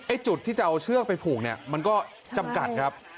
จุดที่จะเอาเชือกไปผูกเนี่ยมันก็จำกัดครับ